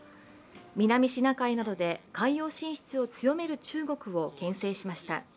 南シナ海などで海洋進出を強める中国をけん制しました。